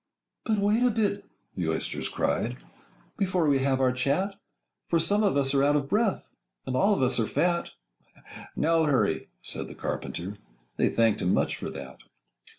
'But wait a bit,' the Oysters cried, Â Â Â Â 'Before we have our chat; For some of us are out of breath, Â Â Â Â And all of us are fat!' 'No hurry!' said the Carpenter. Â Â Â Â They thanked him much for that.